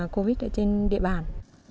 covid trên địa bàn